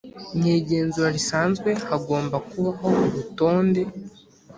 Mu igenzura risanzwe hagomba kubaho urutonde